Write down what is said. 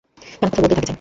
টানা কথা বলতেই থাকে যে।